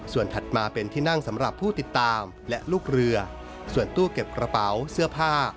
ส่วนถัดมาเป็นที่นั่งสำหรับผู้ติดตามและลูกเรือส่วนตู้เก็บกระเป๋าเสื้อผ้า